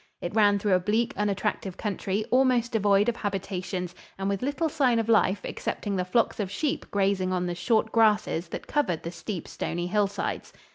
It ran through a bleak, unattractive country almost devoid of habitations and with little sign of life excepting the flocks of sheep grazing on the short grasses that covered the steep, stony hillsides.